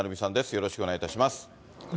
よろしくお願いします。